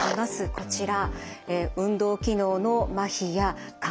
こちら。